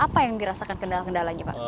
apa yang dirasakan kendala kendalanya pak